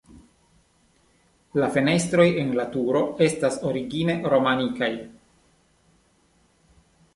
La fenestroj en la turo estas origine romanikaj.